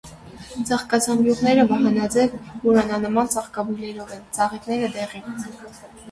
Ծաղկազամբյուղները վահանաձև, հուրանանման ծաղկաբույլերով են, ծաղիկները՝ դեղին։